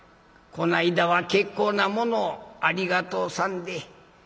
この間は結構なものをありがとうさんで。